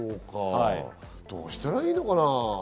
どうしたらいいのかな？